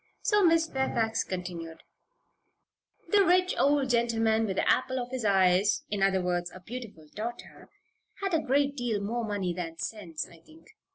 So Miss Fairfax continued: "This rich old gentleman with the apple in his eye in other words, a beautiful daughter had a great deal more money than sense, I think.